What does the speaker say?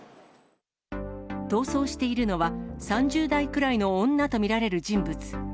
逃走しているのは、３０代くらいの女と見られる人物。